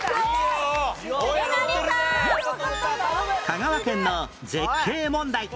香川県の絶景問題